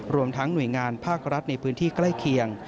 รวมทั้งหน่วยงานภาครัฐในพื้นที่ใกล้เคียง